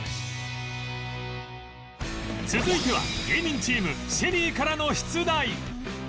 続いては芸人チーム ＳＨＥＬＬＹ からの出題